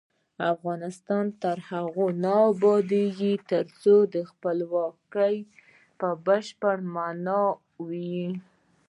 افغانستان تر هغو نه ابادیږي، ترڅو خپلواکي په بشپړه مانا وي.